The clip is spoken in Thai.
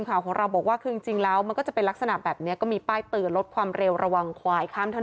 มาผ่านประจำนะครับผ่านประจำเลยครับ